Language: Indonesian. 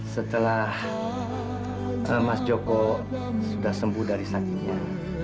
setelah mas joko sudah sembuh dari sakitnya